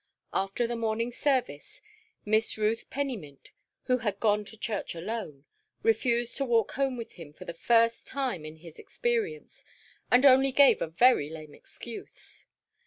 After the morning service, Miss Ruth Pennymint, who had gone to church alone, refused to walk home with him for the first time in his experience, and only gave a very lame excuse.